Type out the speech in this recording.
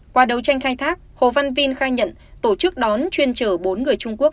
qua đấu tranh khai thác hồ văn vinh khai nhận tổ chức đón chuyên trở bốn người trung quốc